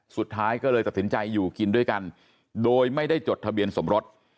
สุดท้ายก็เลยตัดสินใจอยู่กินด้วยกันโดยไม่ได้จดทะเบียนสมรส